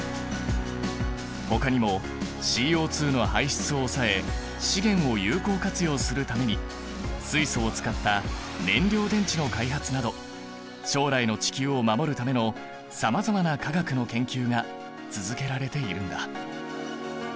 ほかにもＣＯの排出を抑え資源を有効活用するために水素を使った燃料電池の開発など将来の地球を守るためのさまざまな化学の研究が続けられているんだ。